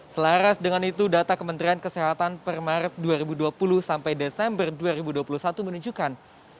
selaras dengan itu data kementerian kesehatan per maret dua ribu dua puluh sampai desember dua ribu dua puluh satu menunjukkan